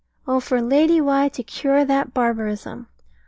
Oh for Lady Why to cure that barbarism!